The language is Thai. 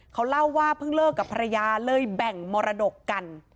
เขาเล่าว่าเพิ่งเลิกกับภรรยาเลยแบ่งมรดกกัน